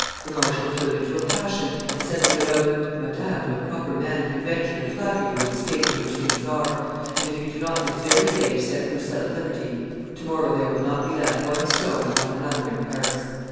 "The marshal flew into a passion, and said with an oath, 'Madame, no proper man can venture to flatter you in the state in which things are; and if you do not this very day set Broussel at liberty, to morrow there will not be left one stone upon another in Paris.